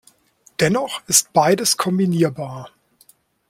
Dennoch ist beides kombinierbar.